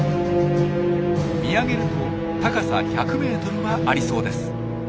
見上げると高さ１００メートルはありそうです。